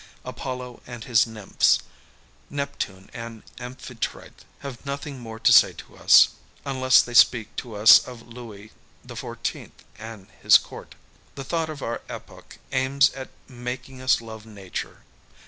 Apollo and his nymphs, Neptune and Amphitrite, have nothing more to say to us, unless they speak to us of Louis XIV., and his court. The thought of our epoch aims at making us love nature.